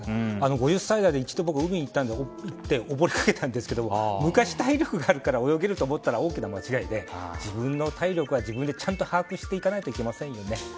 ５０歳代で僕、一度海へ行って溺れかけたんですが昔、体力があるから泳げるかと思ったら大きな間違えで自分の体力は自分でちゃんと把握していかないといけませんね。